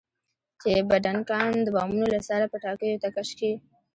چې بډنکان د بامونو له سره پټاکیو ته کش شي.